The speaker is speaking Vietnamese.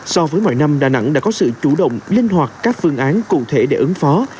so với mọi năm đà nẵng đã có sự chủ động linh hoạt các phương án cụ thể để ứng phó